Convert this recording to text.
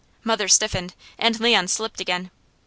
Mother stiffened and Leon slipped again.